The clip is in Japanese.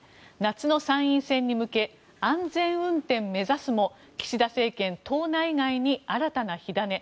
夏の参院選に向け安全運転目指すも岸田政権、党内外に新たな火種。